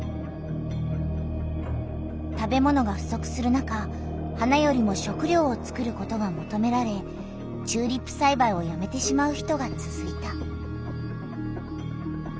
食べ物がふそくする中花よりも食りょうをつくることがもとめられチューリップさいばいをやめてしまう人がつづいた。